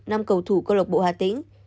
năm cầu thủ cơ lộc bộ hà tĩnh